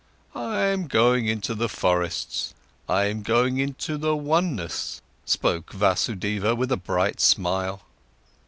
"I'm going into the forests, I'm going into the oneness," spoke Vasudeva with a bright smile.